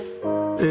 ええ！